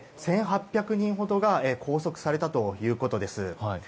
１８００人ほどが拘束されたということです。